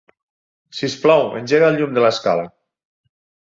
Sisplau, engega el llum de l'escala.